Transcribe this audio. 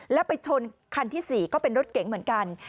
แล้วไปชนคันที่๔ก็เป็นรถเก๋งเหมือนกัน